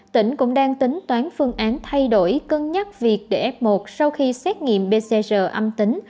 tỉnh cũng đang tính toán phương án thay đổi cân nhắc việc để f một sau khi xét nghiệm pcr âm tính